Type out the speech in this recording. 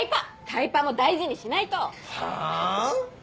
タイパも大事にしないと。はぁん？